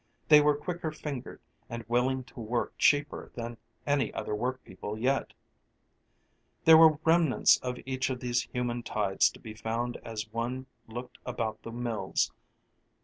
They were quicker fingered, and were willing to work cheaper than any other workpeople yet. There were remnants of each of these human tides to be found as one looked about the mills.